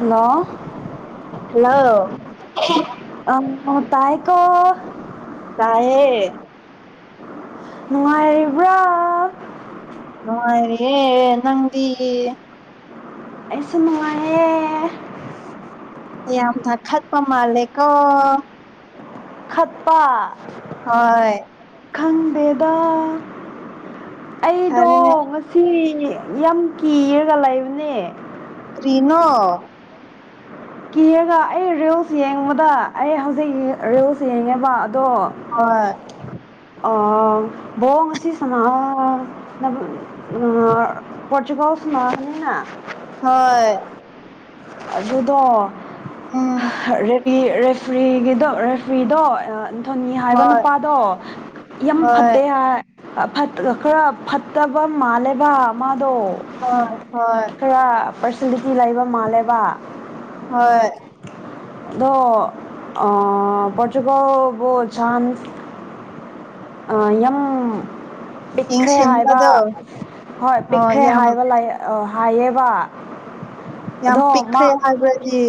ꯅ ꯍꯜꯂꯣ ꯑ ꯇꯥꯏꯀꯣ ꯀꯑꯦ ꯅꯨꯡꯉꯥꯏꯔꯤꯕ꯭ꯔꯥ ꯅꯨꯡꯉꯥꯏꯔꯤꯦ ꯅꯪꯗꯤ ꯑ ꯃꯉꯅꯦ ꯌꯥꯝꯅ ꯈꯠꯄ ꯃꯥꯂꯦꯀꯣ ꯈꯄ ꯍꯣꯏ ꯈꯪꯗꯦꯗ ꯑꯩꯗꯣ ꯐꯔꯦꯅꯦ ꯉꯁꯤ ꯌꯥꯝ ꯀꯤꯔꯒ ꯂꯩꯕꯅꯦ ꯔꯅꯥꯣ ꯀꯤꯔꯒ ꯑꯩ ꯔꯤꯜꯁ ꯌꯦꯡꯕꯗ ꯑꯩ ꯍꯧꯖꯤꯛ ꯔꯤꯜꯁ ꯌꯦꯡꯉꯦꯕ ꯗꯣ ꯍꯣꯏ ꯕꯡ ꯉ ꯑꯁꯤ ꯁ ꯄꯣꯔꯆꯨꯒꯜ ꯀꯣꯁꯅꯉꯅꯤꯅꯅꯥ ꯍꯣꯏ ꯑꯗꯨꯗ ꯎꯝ ꯔꯦꯠ ꯔꯦꯐ꯭ꯔꯤꯒꯤꯗꯣ ꯔꯦꯐ꯭ꯔꯤꯗꯣ ꯁꯣꯅꯤ ꯍꯥꯏꯕ ꯍꯣꯏ ꯅꯨꯄꯥꯗꯣ ꯌꯥꯝ ꯍꯣꯏ ꯐꯠꯇꯦ ꯍꯥꯏ ꯈꯔ ꯐꯠꯇꯕ ꯃꯥꯜꯂꯦꯕ ꯃꯥꯗꯣ ꯍꯣꯏ ꯍꯣꯏ ꯈꯔ ꯄꯔꯁꯅꯦꯂꯤꯇꯤ ꯂꯩꯕ ꯃꯥꯜꯂꯦꯕ ꯍꯣꯏ ꯑ ꯄꯇꯨꯀꯥꯎꯕꯨ ꯁꯥꯟ ꯌ ꯄꯤꯛꯈ꯭ꯔꯦ ꯌꯦꯡꯁꯤꯟꯕꯗꯣ ꯍꯥꯏꯕ ꯍꯣꯏ ꯑꯣ ꯄꯤꯛꯈ꯭ꯔꯦ ꯌꯥꯝ ꯍꯥꯏꯕ ꯂꯥꯏ ꯑ ꯍꯥꯏꯕ ꯌꯥꯝ ꯄꯤꯛꯈ꯭ꯔꯦ ꯍꯥꯏꯕ꯭ꯔꯗꯤ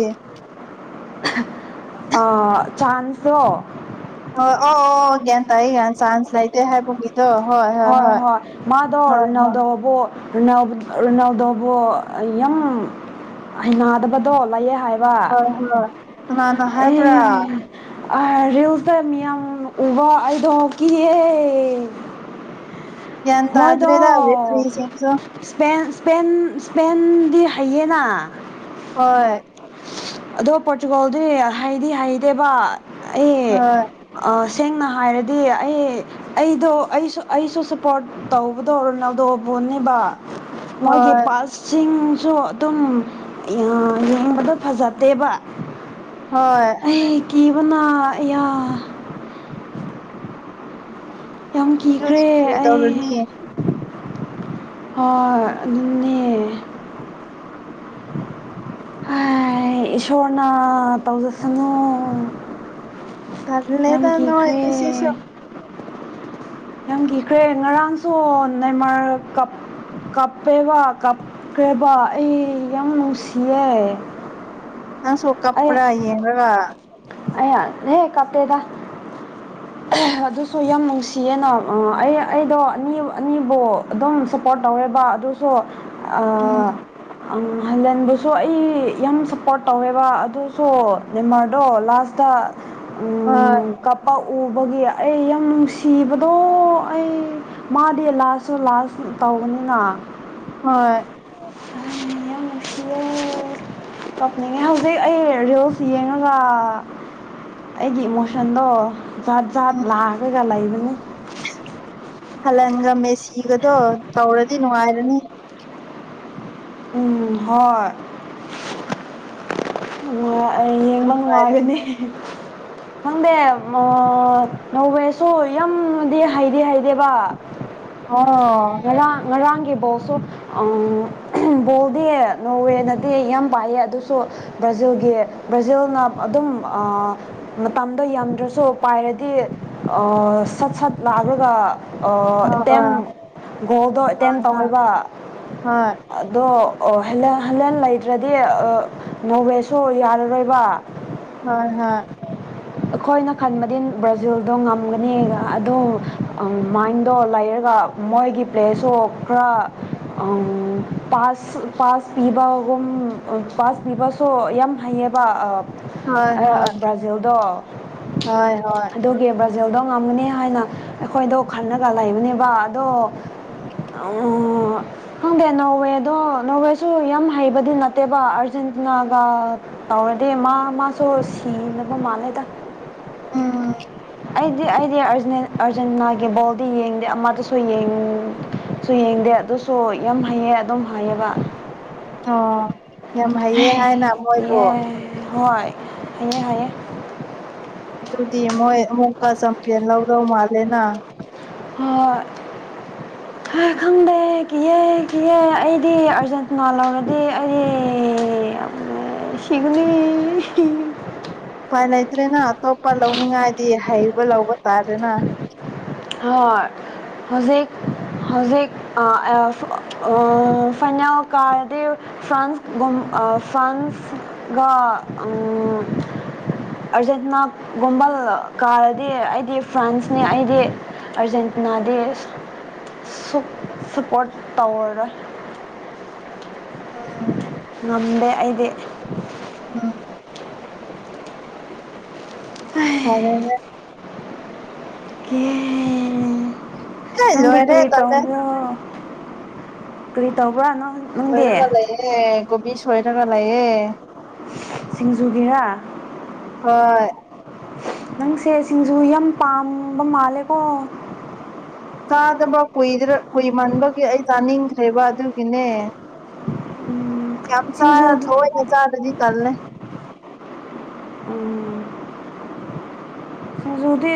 ꯑ ꯆꯥꯟꯁꯣ ꯑꯣ ꯑꯣ ꯑꯣ ꯒꯤ ꯇ ꯑꯩ ꯌꯥ ꯆꯥꯟꯁ ꯂꯩꯇꯦ ꯍꯥꯏꯕꯒꯤ ꯍꯣꯏ ꯍꯣꯏ ꯃꯥꯗ ꯍꯣꯏ ꯍꯣꯏ ꯑꯣꯅꯥꯎꯗꯕꯣ ꯔꯔꯤꯅꯥꯎꯗꯕꯨ ꯌꯥꯝ ꯍꯩꯅꯗꯕꯗꯣ ꯂꯩꯌꯦꯦ ꯍꯥꯏ ꯋꯥ ꯍꯣꯏ ꯍꯣꯏ ꯀꯅꯥꯅ ꯑꯦ ꯍꯥꯏꯕ꯭ꯔꯥ ꯑꯦꯜꯇ ꯃꯤꯌꯥꯝ ꯎꯕ ꯑꯩꯗ ꯀꯦ ꯒ꯭ꯌꯥꯟ ꯍꯣꯏꯗ ꯇꯥꯗ꯭ꯔꯦꯗ ꯔꯦꯐ꯭ꯔꯤꯁꯤꯡꯁꯨ ꯁꯄꯦꯟ ꯏꯁꯄꯦꯟ ꯏꯁꯄꯦꯟꯗꯤ ꯍꯩꯌꯦꯅꯥ ꯍꯣꯏ ꯑꯗꯣ ꯄꯣꯔꯇꯨꯒꯥꯜꯗꯤ ꯍꯥꯏꯗꯤ ꯍꯥꯏꯗꯦꯕ ꯍꯣꯏ ꯑꯩ ꯁꯦꯡꯅ ꯍꯥꯏꯔꯗꯤ ꯑꯩ ꯑꯩꯗꯣ ꯑꯩꯁꯨ ꯑꯩꯁꯨ ꯁꯞꯄꯣꯔꯠ ꯇꯧꯧꯕꯗꯧꯔ ꯅꯗꯣꯕꯨ ꯄꯨꯣꯅꯤꯕ ꯃꯣꯏꯒꯤ ꯍꯣꯏ ꯄꯥꯁꯁꯤꯡꯁꯨ ꯑꯗꯨꯝ ꯌꯦꯡꯕꯗ ꯐꯖꯗꯦꯕ ꯍꯣꯏ ꯀꯕꯅꯥ ꯌꯥ ꯌꯥꯝ ꯑꯗꯨꯗꯤ ꯀꯤꯈ꯭ꯔꯦ ꯀꯔꯤ ꯑꯩ ꯇꯧꯔꯅꯤ ꯍ ꯅꯅꯦ ꯏꯁꯣꯔꯅ ꯇꯧꯖꯁꯅꯨ ꯌꯥꯝ ꯇꯜꯂꯦꯗ ꯀꯤꯈ꯭ꯔꯦ ꯅꯣꯏꯒꯤꯁꯤꯁꯨ ꯌꯥꯝ ꯀꯤꯈ꯭ꯔꯦ ꯉꯔꯥꯡꯁꯨ ꯅꯏꯃꯥꯔ ꯀꯞ ꯀꯞꯄꯦꯕ ꯀꯞꯄꯦꯕ ꯑꯩ ꯌꯥꯝ ꯅꯨꯡꯁꯤꯌꯦꯦ ꯑ ꯁꯣ ꯀꯄꯔꯌꯦꯕ ꯑꯩꯍꯍ ꯀꯥꯞꯄꯦꯗ ꯑꯗꯨꯁꯨ ꯌꯥꯝ ꯅꯨꯡꯁꯤ ꯆꯅ ꯑꯩ ꯑꯩꯗꯣ ꯑꯅꯤ ꯑꯅꯤꯕꯨ ꯑꯗꯨꯝ ꯁꯞꯄꯣꯔꯠ ꯇꯧꯋꯦꯕ ꯑꯗꯨꯁꯨ ꯎꯝ ꯑ ꯍꯂꯦꯟꯕꯨꯁꯨ ꯑꯩ ꯌꯥꯝ ꯁꯞꯄꯣꯔꯠ ꯇꯧꯋꯦꯕ ꯑꯗꯨꯁꯨ ꯦꯃꯔꯗꯣ ꯂꯥꯁꯇ ꯎ ꯍꯣꯏ ꯀꯞꯄ ꯎꯕꯒꯤ ꯑꯩ ꯌꯥꯝ ꯅꯨꯡꯁꯤ ꯁꯤꯕꯗꯣ ꯑꯩ ꯃꯥꯗꯤ ꯂꯥꯁꯁꯨ ꯂꯥꯁ ꯇꯧꯕꯅꯤꯅ ꯍꯣꯏ ꯑ ꯃ ꯀꯞꯅꯤꯡꯉꯦ ꯍꯧꯖꯤꯛ ꯑꯩ ꯔꯤꯜꯁ ꯌꯦꯡꯉꯒ ꯑꯩꯒꯤ ꯏꯃꯣꯁꯟꯗꯣ ꯖꯥꯠ ꯖꯥꯠ ꯎꯝ ꯂꯥꯛꯑꯒꯒ ꯂꯩꯕꯅꯤ ꯄꯂꯟꯒ ꯃꯦꯁꯤꯒꯗꯣ ꯇꯧꯔꯗꯤ ꯅꯨꯡꯉꯥꯏꯔꯅꯤ ꯎꯝ ꯍꯣꯏ ꯌꯦꯡꯕ ꯅꯨꯡꯉꯥꯏꯔꯅꯤ ꯉꯒꯅꯤ ꯈꯪꯗꯦ ꯅꯧꯧꯕꯦꯁꯨ ꯌꯥꯝꯗꯤ ꯍꯩꯗꯤ ꯍꯩꯗꯦꯕ ꯑꯣ ꯒꯤ ꯣꯁꯨꯣ ꯕꯣꯜꯗꯤ ꯅꯣꯔꯋꯦꯅꯗꯤꯦ ꯌꯥꯝ ꯄꯥꯏꯌꯦ ꯑꯗꯨꯁꯨ ꯕ꯭ꯔꯥꯖꯤꯜꯒꯤ ꯕ꯭ꯔꯥꯖꯤꯜꯅ ꯑꯗꯨꯝ ꯃꯇꯝꯗꯣ ꯌꯥꯝꯝꯗ꯭ꯔꯁꯨ ꯄꯥꯏꯔꯗꯤ ꯁꯠ ꯁꯠ ꯂꯥꯛ ꯑꯗꯨꯒ ꯍꯣꯏ ꯑꯦꯇꯦꯝ ꯒꯣꯜꯗꯣ ꯑꯦꯇꯦꯝ ꯍꯣꯏ ꯇꯧꯋꯕ ꯍꯣꯏ ꯑꯗꯣ ꯍꯟꯂꯦꯟ ꯂꯩꯇ꯭ꯔꯗꯤ ꯅꯣꯋꯦꯁꯨ ꯌꯥꯔꯔꯣꯏꯕ ꯍ ꯍ ꯑꯩꯈꯣꯏꯅ ꯈꯟꯕꯗꯤ ꯕ꯭ꯔꯥꯖꯤꯜꯗꯣ ꯉꯝꯒꯅꯤ ꯑꯗꯣ ꯃꯥꯏꯟꯗꯣ ꯂꯥꯏ ꯂꯩꯔꯒ ꯃꯣꯏꯒꯤ ꯄ꯭ꯂꯦꯁꯁꯨ ꯈꯔ ꯄꯥꯁ ꯄꯥꯁ ꯄꯤꯕꯒꯨꯝ ꯄꯥꯁ ꯄꯤꯕꯁꯨ ꯌꯥꯝ ꯍꯩꯌꯦꯕ ꯍꯣꯏ ꯍꯣꯏ ꯕ꯭ꯔꯥꯖꯤꯜꯗꯣ ꯍꯣꯏ ꯍꯣꯏ ꯑꯗꯨꯒꯤ ꯕ꯭ꯔ ꯄꯖꯦꯜꯗꯣ ꯉꯝꯒꯅꯤ ꯍꯥꯏꯅ ꯑꯩꯈꯣꯏꯗꯣ ꯈꯟꯅꯂꯒ ꯂꯩꯕꯅꯦꯕ ꯑꯗꯣ ꯑꯣ ꯍꯒꯦ ꯅꯋꯦ ꯑꯗꯣ ꯅꯣꯔꯋꯦꯁꯨ ꯌꯥꯝ ꯍꯩꯕꯗꯤ ꯅꯠꯇꯦꯕ ꯑꯥꯔꯖꯦꯟꯇꯤꯅꯥꯒ ꯇꯧꯔꯗꯤ ꯃꯥ ꯃꯥꯁꯨ ꯁꯣ ꯁꯤꯅꯕ ꯃꯥꯥꯟꯂꯦꯗ ꯑ ꯑꯩꯗꯤ ꯑꯩꯗꯤ ꯑꯥꯔꯖꯅꯥꯒꯤ ꯕꯣꯜꯗꯤ ꯌꯦꯡꯗꯦ ꯑꯃꯠꯇꯁꯨ ꯌꯦꯡ ꯁꯨ ꯌꯦꯡꯗꯦ ꯑꯗꯨꯁꯨ ꯌꯥꯝ ꯍꯩꯌꯦ ꯑꯗꯨꯝ ꯍꯥꯏꯌꯦꯕ ꯑꯣ ꯌꯥꯝ ꯍꯩꯌꯦ ꯍꯥꯏꯅ ꯃꯣꯏꯕꯨ ꯀꯤꯌꯦ ꯍꯣꯏ ꯍꯦ ꯍꯥꯏꯌꯦꯦ ꯑꯗꯨꯗꯤ ꯃꯣꯏ ꯑꯃꯨꯛꯀ ꯆꯝꯄꯤꯌꯟ ꯂꯧꯗꯧ ꯃꯥꯜꯂꯦꯅ ꯍꯣꯏ ꯐ ꯈꯪꯗꯦ ꯀꯤꯑꯦ ꯀꯤꯑꯦ ꯑꯩꯗꯤ ꯑꯥꯔꯖꯦꯟꯇꯅ ꯂꯧꯔꯗꯤ ꯑꯩ ꯌꯥꯝ ꯁꯤꯒꯅꯤ ꯎꯄꯥꯏ ꯂꯩꯇ꯭ꯔꯦꯅ ꯑꯇꯣꯞꯄ ꯂꯧꯅꯤꯡꯉꯥꯏꯗꯤ ꯍꯩꯕ ꯂꯧꯕ ꯇꯥꯔꯦꯅ ꯍꯣꯏ ꯍꯧꯖꯤꯛ ꯍꯧꯖꯤꯛ ꯐꯥꯏꯅꯥꯜ ꯀꯥꯔꯗꯤ ꯐ꯭ꯔꯥꯟꯁꯒꯨꯝ ꯐ꯭ꯔꯥꯟꯁꯒ ꯑꯔꯖꯦꯟꯇꯤꯅꯥꯒꯨꯝꯕ ꯀꯥꯔꯗꯤ ꯑꯩꯗꯤ ꯐ꯭ꯔꯥꯟꯁꯅꯤ ꯑꯩꯗꯤ ꯑꯔꯖꯦꯟꯇꯤꯅꯥ ꯗꯦꯁ ꯁꯄꯣꯔꯠ ꯇꯋꯥꯔ ꯑꯣ ꯉꯝꯗꯦ ꯑꯩꯗꯤ ꯎꯝ ꯐꯔꯦ ꯍ ꯑꯦ ꯅꯗꯤ ꯂꯣꯏꯔꯦ ꯀ ꯇꯕꯣ ꯁꯣꯏ ꯅꯪꯗꯤ ꯇꯀꯥ ꯂꯩꯑꯌꯦꯦ ꯀꯣꯕꯤ ꯁꯣꯏ ꯇꯀꯥ ꯂꯑꯌꯦꯦ ꯁꯤꯡꯖꯨꯒꯤꯔꯥ ꯍ ꯅꯪ ꯁꯦꯁꯤꯡꯖ ꯌꯥꯝ ꯄꯥꯝꯕ ꯃꯥꯜꯂꯦꯀꯣ ꯆꯥꯗꯕ ꯀꯨꯏꯗ꯭ꯔ ꯁꯤꯅꯦ ꯀ ꯆꯥ ꯁꯤꯡꯖꯨ ꯊꯣꯛꯣꯏ ꯅ ꯆꯥ ꯑꯗꯨꯖꯤ ꯀꯂ ꯎꯝ ꯖꯗꯤ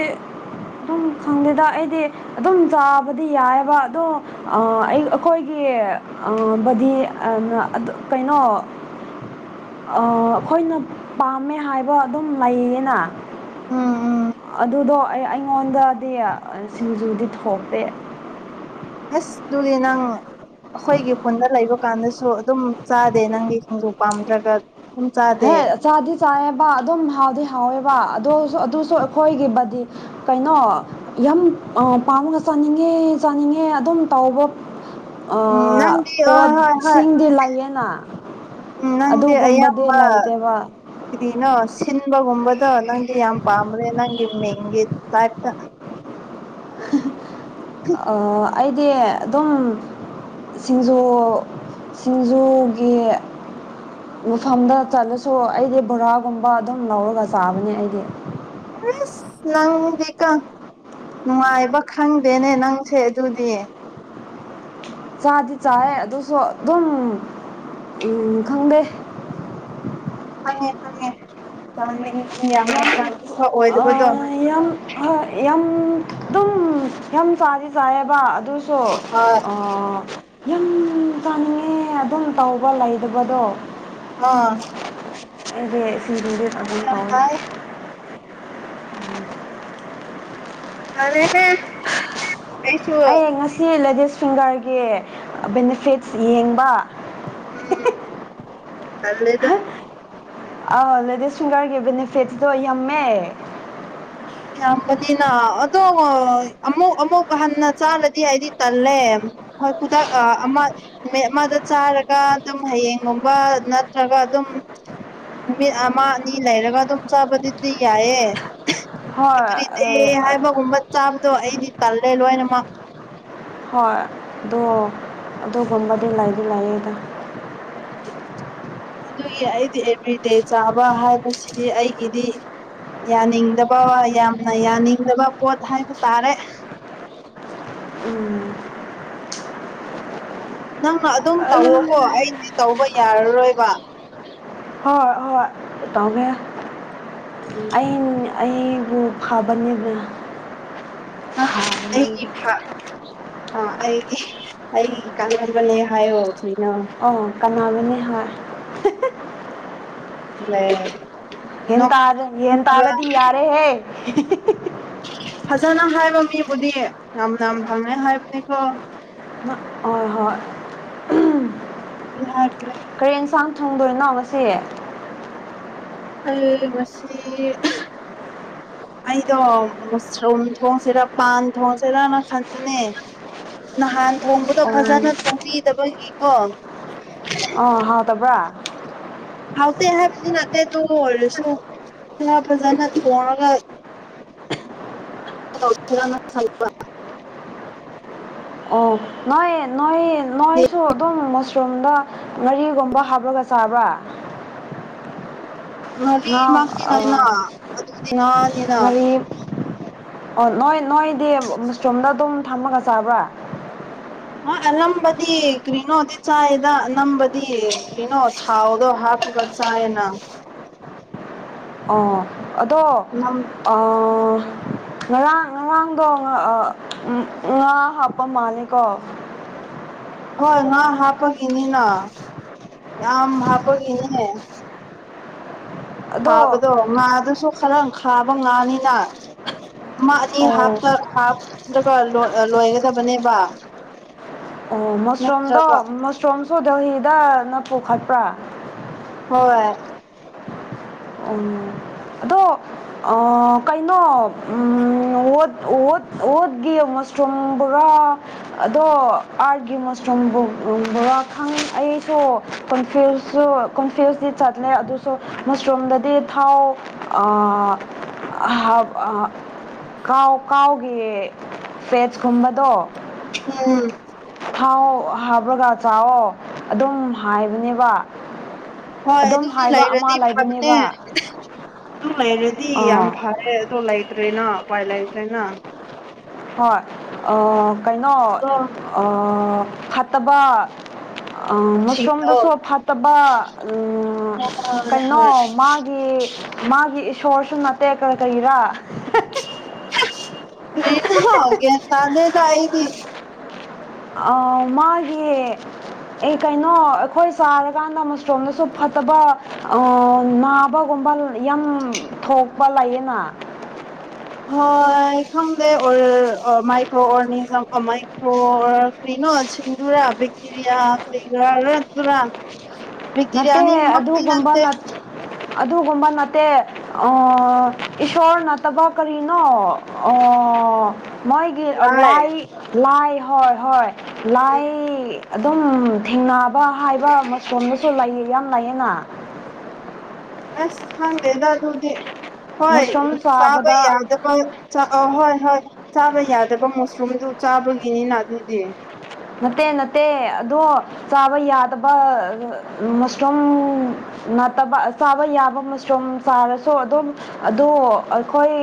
ꯑꯗꯨꯝ ꯈꯪꯗꯦꯗ ꯑꯩꯗꯤ ꯑꯗꯨꯝ ꯆꯥꯕꯗꯤ ꯌꯥꯏꯑꯕ ꯑꯗꯣ ꯑꯩꯈꯣꯏꯒꯤ ꯕꯗꯤ ꯀꯩꯅꯣ ꯑꯩꯈꯣꯏꯅ ꯄꯥꯝꯃꯦ ꯍꯥꯏꯕ ꯑꯗꯨꯝ ꯂꯩꯌꯦꯅ ꯎꯝ ꯎꯝ ꯑꯗꯨꯗꯣ ꯑꯩ ꯑꯩꯉꯣꯟꯗꯗꯤ ꯁꯤꯡꯖꯨꯗꯤ ꯊꯣꯛꯇꯦ ꯑꯁ ꯗꯔꯤꯅꯉ ꯑꯩꯈꯣꯏꯒꯤ ꯈꯨꯟꯗ ꯂꯩꯕ ꯀꯥꯟꯗꯁꯨ ꯑꯗꯨꯝ ꯆꯥꯗꯦ ꯅꯪꯒꯤ ꯈꯣꯡꯖꯨ ꯄꯥꯝꯗ꯭ꯔꯒ ꯑꯗꯨꯝ ꯍꯦ ꯆꯥꯗꯦ ꯆꯗꯤ ꯆꯥꯏꯑꯕ ꯑꯗꯨꯝ ꯍꯥꯎꯗꯤ ꯍꯥꯎꯋꯦꯕ ꯑꯗꯨꯁꯨ ꯑꯗꯨꯁꯨ ꯑꯩꯈꯣꯏꯒꯤꯕꯨꯗꯤ ꯀꯩꯅꯣ ꯌꯥꯝ ꯄꯥꯝꯅ ꯆꯥꯅꯤꯡꯉꯦ ꯆꯥꯅꯤꯡꯉꯦ ꯑꯗꯨꯝ ꯇꯥꯎꯕ ꯎꯝ ꯅꯪꯗꯤ ꯍꯣꯏ ꯍꯣꯏ ꯍꯣꯏ ꯄꯣꯠꯁꯤꯡꯗꯤ ꯂꯩꯌꯦꯅ ꯎꯝ ꯅꯪꯗꯤ ꯑꯗꯨꯒꯨꯝꯕ ꯗ ꯑꯌꯥꯝꯕ ꯂꯥꯏꯗ ꯋꯥ ꯏꯕꯒꯨꯝꯝꯕꯗ ꯅꯪ ꯌꯥꯝ ꯄꯥꯝꯕ꯭ꯔꯦ ꯅꯪ ꯏ ꯍꯦ ꯇꯥꯏꯇ ꯑꯩꯗꯤ ꯑꯗꯨꯝ ꯁꯤꯡꯖꯣ ꯁꯤꯡꯖꯒꯤꯦ ꯃꯐꯝꯗ ꯆꯠꯂꯁꯨ ꯑꯩꯗꯤ ꯕꯣꯔꯥꯒꯨꯝꯕ ꯑꯗꯨꯝ ꯂꯧꯔꯒ ꯆꯥꯕꯅꯦ ꯑꯩꯗꯤ ꯄꯨ ꯅꯪꯀ ꯅꯨꯡꯉꯥꯏꯕ ꯈꯪꯗꯦꯅꯦ ꯅꯪꯁꯦ ꯑꯗꯨꯗꯤꯌꯦ ꯆꯥꯗꯤ ꯆꯥꯏ ꯑꯗꯨꯁꯨ ꯑꯗꯨꯝ ꯎꯝ ꯈꯪꯗꯦ [inaudible] ꯐꯉꯦ ꯊꯉꯦ ꯆꯥꯡ ꯌ ꯌꯝ ꯍ ꯌꯗꯝ ꯑꯗꯨꯝ ꯌꯥꯝ ꯆꯥꯗꯤ ꯆꯥꯏꯌꯦꯕ ꯑꯗꯨꯁꯨ ꯑꯥ ꯌꯥꯝ ꯆꯥꯅꯤꯡꯉꯦ ꯑꯗꯨꯝ ꯇꯧꯕ ꯂꯩꯇꯕꯗꯣ ꯑꯥ ꯗ ꯁꯤꯔꯔꯦꯗ ꯌꯥꯝ ꯄꯥꯎ ꯐꯩ ꯑꯔꯦꯅꯦ ꯑꯩ ꯉꯁꯤ ꯂꯦꯗꯤꯁ ꯐꯤꯡꯒꯔꯒꯤ ꯕꯦꯅꯤꯐꯤꯠꯁ ꯌꯦꯡꯕ ꯎꯝ ꯀꯂꯦꯗ ꯑ ꯂꯦꯗꯤꯁ ꯐꯤꯡꯒꯔꯒꯤ ꯕꯦꯅꯤꯐꯤꯠꯗꯣ ꯌꯥꯝꯃꯦ ꯌꯥꯝꯕꯅꯤꯅ ꯑꯗꯣ ꯑꯃꯨꯛ ꯑꯃꯨꯛ ꯍꯟꯅ ꯆꯥꯂꯗꯤ ꯍꯥꯏꯗꯤ ꯇꯜꯂꯦ ꯍꯣꯏ ꯈꯨꯗꯛ ꯑꯃ ꯅꯨꯃꯤꯠ ꯑꯃꯗ ꯆꯥꯔꯒ ꯑꯗꯨꯝ ꯍꯌꯦꯡꯒꯨꯝꯕ ꯅꯠꯇ꯭ꯔꯒ ꯑꯗꯨꯝ [unintelligible] ꯅꯨꯃꯤꯠ ꯑꯃ ꯑꯅꯤ ꯂꯩꯔꯒ ꯑꯗꯨꯝ ꯆꯥꯕꯗꯨꯗꯤ ꯌꯥꯏꯑꯦ ꯍꯣꯏ ꯑꯗꯨꯔꯤ ꯍꯥꯏꯕꯒꯨꯝꯕ ꯆꯥꯕꯗꯣ ꯑꯩꯗꯤ ꯀꯜꯂꯦ ꯂꯣꯏꯅꯃꯛ ꯍꯣꯏ ꯑꯗ ꯑꯗꯨꯗ ꯉꯝꯕꯥꯗꯤ ꯂꯥꯏꯗ ꯂꯥꯏꯌꯦꯗ ꯑꯗꯨ ꯑꯗꯨꯒꯤ ꯑꯩꯗꯤ ꯑꯦꯚ꯭ꯔꯤꯗꯦ ꯆꯥꯕ ꯍꯥꯏꯕꯁꯤꯗꯤ ꯑꯩꯒꯤꯗꯤ ꯌꯥꯅꯤꯡꯗꯕ ꯌꯥꯝꯅ ꯌꯥꯅꯤꯡꯗꯕ ꯄꯣꯠ ꯍꯥꯏꯕ ꯇꯥꯔꯦ ꯎꯝ ꯅꯪꯅ ꯑꯗꯨꯝ ꯇꯧꯋꯣꯀꯣ ꯑꯩꯗꯤ ꯇꯧꯕ ꯌꯥꯔꯔꯣꯏꯕ ꯍꯣꯏ ꯍꯣꯏ ꯇꯧꯒꯦ ꯎꯝ ꯑ ꯑꯩꯕꯨ ꯐꯕꯅꯤꯗꯅ ꯑ ꯑꯩꯒꯤ ꯏꯥ ꯑ ꯑꯩ ꯑꯩ ꯀꯥꯟꯈꯕꯅꯦ ꯍꯥꯏꯌꯣ ꯊꯣꯏꯅ ꯀꯅꯥꯅꯕꯅꯤ ꯍꯣꯏ ꯂꯩ ꯍ ꯇꯥꯔ ꯌꯦꯟ ꯇꯥꯔꯗꯤ ꯌꯥꯔꯦ ꯍꯦ ꯐꯖꯅ ꯍꯥꯏꯕ ꯃꯤꯕꯨꯗꯤ ꯌꯥꯝꯅ ꯐꯪꯉꯦ ꯍꯥꯏꯕꯅꯤꯀꯣ ꯍꯣꯏ ꯍꯣꯏ ꯌꯥ ꯊꯪꯗꯣꯏꯅꯣ ꯉꯁꯦ ꯑ ꯃꯁꯤ ꯑꯩꯗꯣ ꯃꯁꯔꯨꯝ ꯊꯣꯡꯁꯤꯔꯥ ꯄꯥꯟ ꯊꯣꯡꯁꯤꯔꯅ ꯈꯟꯕꯅꯦ ꯅꯍꯥꯟ ꯊꯣꯡꯕꯗꯣ ꯑꯣ ꯐꯖꯅ ꯊꯣꯡꯕꯤꯗꯕꯒꯤꯀꯣ ꯑꯣ ꯍꯥꯎ ꯇꯕ꯭ꯔꯥ ꯍꯥꯎꯇ ꯍꯥꯏꯕꯗꯤ ꯅꯇꯩꯗꯨꯣ ꯑꯣꯏꯔꯁꯨ ꯈꯔ ꯐꯖꯅ ꯊꯣꯡꯉꯒ ꯅ ꯊꯪꯕ ꯑꯣ ꯅꯣꯏ ꯅꯣꯏ ꯅꯣꯏꯁꯨ ꯑꯗꯨꯝ ꯃꯁꯔꯨꯝꯗ ꯉꯥꯔꯤꯒꯨꯝꯕ ꯍꯥꯞꯄ꯭ꯔꯒ ꯆꯥꯕ꯭ꯔꯥ ꯉ ꯉꯥꯔꯤꯃꯛꯇꯤ ꯅꯠꯇꯅ ꯑꯗꯨꯗꯤ ꯉꯥꯅꯤꯅ ꯉꯔꯤ ꯑꯣ ꯅꯣꯏ ꯅꯣꯏꯗꯤ ꯃꯨꯁꯔꯨꯝꯗ ꯑꯗꯨꯝ ꯊꯝꯃꯒ ꯆꯥꯕ꯭ꯔꯥ ꯑꯂꯕꯗꯤ ꯀ꯭ꯔꯤꯅꯣꯗꯤ ꯆ ꯌꯦꯗ ꯑꯝꯕꯗꯤ ꯀꯩꯅꯣ ꯊꯥꯎꯗꯣ ꯍꯥꯞꯄꯒ ꯆꯥꯏꯅ ꯑ ꯑꯗꯣ ꯅꯝ ꯑ ꯉꯔꯥꯡ ꯉꯔꯥꯡꯗꯣ ꯉ ꯉꯥ ꯍꯥꯞꯄ ꯃꯥꯜꯂꯦꯀꯣ [unintelligible] ꯍꯣꯏ ꯉꯥ ꯍꯥꯞꯄꯒꯤꯅꯤꯅ ꯌꯥꯝ ꯍꯥꯞꯄꯒꯤꯅꯦ ꯑꯗꯣ ꯊꯥꯕꯗꯣ ꯉꯥꯗꯨꯁꯨ ꯈꯔ ꯈꯥꯕ ꯉꯥꯅꯤꯅ ꯑꯃ ꯑꯅꯤ ꯑꯣ ꯍꯥꯞꯇ ꯍꯥꯞꯂꯒ ꯂꯣꯏꯒꯗꯕꯅꯦꯕ ꯑꯣ ꯃꯁꯔꯨꯝꯗꯣ ꯅꯠꯇ꯭ꯔꯕ ꯃꯁꯔꯨꯝꯁꯨ ꯗꯦꯜꯍꯤꯗꯅ ꯄꯨꯈꯠꯄ꯭ꯔꯥ ꯍꯣꯏ ꯎ ꯑꯗꯣ ꯀꯩꯅꯣꯠꯠ ꯑꯣꯠꯈꯤ ꯑꯃ ꯃꯣꯁꯇ꯭ꯔꯨꯝ ꯕꯣꯔꯥ ꯑꯗꯣ ꯑꯥꯔꯒꯤ ꯃꯣꯁꯇ꯭ꯔꯨꯝ ꯕꯣꯔꯥ ꯈꯪ ꯑꯩ ꯀꯐ꯭ꯁ ꯀꯣꯟꯐ꯭ꯌꯨꯁ ꯆꯠꯂ ꯑꯗꯨꯁꯨ ꯁꯣꯝꯗꯗꯤ ꯊꯥꯎ ꯀꯥꯎ ꯀꯥꯎꯒꯤ ꯄꯦꯠꯁ ꯀꯨꯝꯕꯗꯣ ꯎꯝ ꯊꯥꯎ ꯍꯥꯕ꯭ꯔꯒ ꯆꯥꯛꯑꯣ ꯑꯗꯨꯝ ꯍꯥꯏꯕꯅꯦꯕ ꯍꯣꯏ ꯑꯗꯨꯝ ꯑꯗꯨꯗꯤ ꯍꯥꯏꯕ ꯑꯃ ꯂꯩꯔꯗꯤ ꯐꯕꯅꯦ ꯂꯩꯕꯅꯦꯕ ꯑꯗꯨ ꯂꯩꯔꯗꯤ ꯌꯥꯝ ꯑꯥ ꯐꯔꯦ ꯑꯣ ꯂꯩꯇ꯭ꯔꯦꯅ ꯎꯄꯥꯏ ꯂꯩꯇ꯭ꯔꯦꯅ ꯍꯣꯏ ꯀꯩꯅꯣ ꯐꯠꯇꯕ ꯁꯤꯡꯗꯣ ꯃꯁꯔꯨꯝꯗꯁꯨ ꯐꯠꯇꯕ ꯍꯣꯏ ꯀꯩꯅꯣ ꯍꯣꯏ ꯃꯥꯒꯤ ꯃꯥꯒꯤ ꯏꯁꯣꯔ ꯁꯨꯝ ꯅꯠꯇꯦꯀ ꯀꯩꯔꯥ ꯇꯔꯤꯅ ꯍꯧꯒꯦ ꯇꯗꯗꯏꯗꯤ ꯃꯥꯒꯤ ꯑꯦ ꯀꯩꯅꯣ ꯑꯩꯈꯣꯏ ꯆꯥꯔꯀꯥꯟꯗ ꯃꯁꯔꯣꯝꯗꯁꯨ ꯐ ꯐꯠꯇꯕ ꯅꯥꯕꯒꯨꯝꯕ ꯌꯥꯝ ꯊꯣꯛꯄ ꯂꯥꯛꯌꯦꯅ [unintelligible] ꯍꯣꯏ ꯈꯪꯗꯦ ꯑꯣ ꯃꯥꯏꯀ꯭ꯔꯣ ꯑꯣꯔꯅꯤꯖꯝ ꯃꯥꯏꯀ꯭ꯔꯣ ꯀ꯭ꯔꯤꯅꯣ ꯆꯦꯡꯗꯨꯔꯥ ꯕꯦꯛꯇꯦꯔꯤꯌꯥ ꯀꯒ ꯔꯄꯨꯔꯥ ꯚꯦꯛꯇꯤꯔꯤꯌꯥ ꯅꯠꯇꯦ ꯑꯅꯤꯃꯛꯇꯤ ꯑꯗꯨꯒꯨꯝꯕ ꯅꯠꯇꯦ ꯅꯠ ꯑꯗꯨꯒꯨꯝꯕ ꯅꯠꯇꯦ ꯑ ꯏꯁꯣꯔ ꯅꯠꯇꯕ ꯀꯔꯤꯅꯣ ꯑ ꯑꯣ ꯃꯣꯏꯒꯤ ꯂꯥꯏ ꯂꯥꯏ ꯍꯣꯏ ꯍꯣꯏ ꯎꯝ ꯂꯥꯏ ꯑꯗꯨꯝ ꯊꯦꯡꯅꯕ ꯍꯥꯏꯕ ꯃꯁꯣꯝꯗꯁꯨ ꯂꯩꯌꯦ ꯌꯥꯝ ꯂꯩꯌꯦꯅ ꯑꯁ ꯈꯪꯗꯦꯗ ꯑꯗꯨꯗꯤ ꯍꯣꯏ ꯎ ꯃꯁꯔꯨꯝ ꯆꯥꯕ ꯆꯥꯕꯗ ꯌꯥꯗꯕ ꯆꯥ ꯍꯣꯏ ꯍꯣꯏ ꯆꯥꯕ ꯌꯥꯗꯕ ꯃꯨꯁꯔꯨꯝꯗꯨ ꯆꯥꯕꯒꯤꯅꯤꯅ ꯑꯗꯨꯗꯤ ꯅꯠꯇꯦ ꯅꯠꯇꯦ ꯑꯗꯣ ꯆꯥꯕ ꯌꯥꯗꯕ ꯃꯁꯔꯨꯝ ꯅꯠꯇꯕ ꯆꯥꯕ ꯌꯥꯕ ꯃꯁ꯭ꯔꯨꯝ ꯆꯥꯔꯁꯨ ꯑꯗꯨꯝ ꯑꯗꯣ ꯑꯩꯈꯣꯏ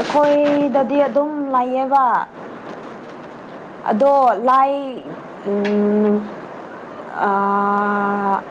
ꯑꯩꯈꯣꯏꯗꯗꯤ ꯑꯗꯨꯝ ꯂꯩꯌꯦꯕ ꯑꯗꯣ ꯂꯥꯏ ꯎꯝ ꯑꯥ